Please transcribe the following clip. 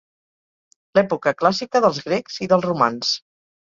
L’època Clàssica dels grecs i dels romans.